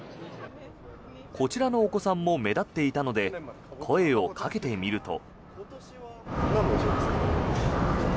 こちらのお子さんも目立っていたので声をかけてみると。